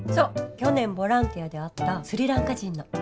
去年ボランティアで会ったスリランカ人の。